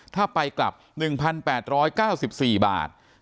ถ้าไปกลับ๑๘๙๔บาท